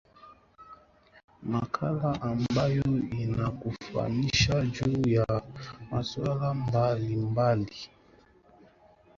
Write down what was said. makala ambayo inakufahamisha juu ya masuala mbalimbali